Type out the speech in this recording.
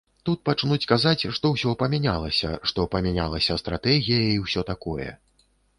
Тут пачнуць казаць, што ўсё памянялася, што памянялася стратэгія і ўсё такое.